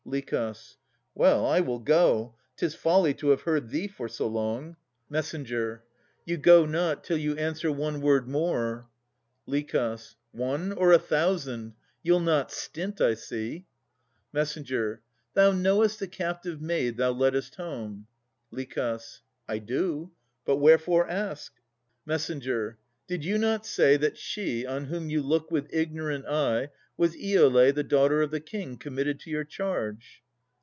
LICH. Well, I will go. 'Tis folly to have heard thee for so long. MESS. You go not till you answer one word more. LICH. One, or a thousand! You'll not stint, I see. MESS. Thou knowest the captive maid thou leddest home? LICH. I do. But wherefore ask? MESS. Did you not say That she, on whom you look with ignorant eye, Was Iolè, the daughter of the King, Committed to your charge?